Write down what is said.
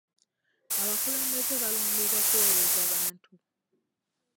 Abakulembeze balondebwa kuweereza bantu.